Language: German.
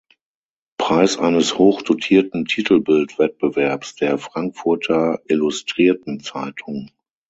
Preis eines hoch dotierten Titelbild-Wettbewerbs der "Frankfurter Illustrierten Zeitung".